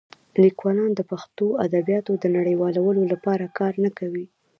لیکوالان د پښتو ادبیاتو د نړیوالولو لپاره کار نه کوي.